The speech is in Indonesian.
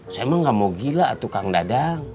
saya emang gak mau gila tukang dadang